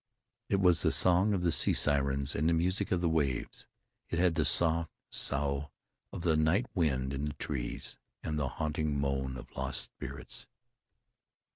It was the song of the sea sirens and the music of the waves; it had the soft sough of the night wind in the trees, and the haunting moan of lost spirits.